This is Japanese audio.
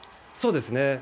そうですね。